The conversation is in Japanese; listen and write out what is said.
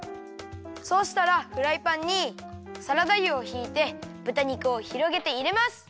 そうしたらフライパンにサラダ油をひいてぶた肉をひろげていれます！